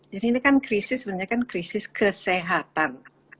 jadi ini kan krisis sebenarnya krisis kesehatan